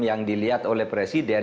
yang dilihat oleh presiden